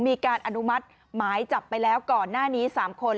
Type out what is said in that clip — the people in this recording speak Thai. มีการอนุมัติหมายจับไปแล้วก่อนหน้านี้๓คน